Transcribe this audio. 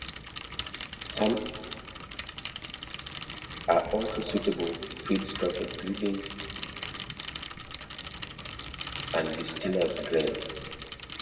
Some industrial byproducts are also suitable feedstock including paper sludge and distillers grain.